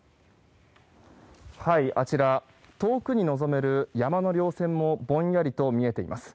あちら、遠くに望める山の稜線もぼんやりと見えています。